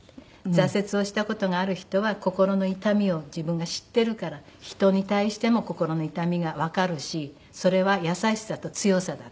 「挫折をした事がある人は心の痛みを自分が知ってるから人に対しても心の痛みがわかるしそれは優しさと強さだ」